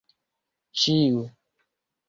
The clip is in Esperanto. ĉiu